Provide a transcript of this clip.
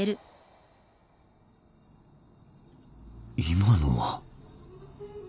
今のは？